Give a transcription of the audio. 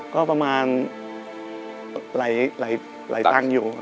ก็ประมาณไหลตั้งอยู่